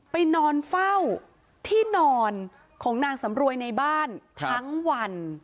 ไปนอนเฝ้าที่นอนของนางสำรวยในบ้านทั้งวัน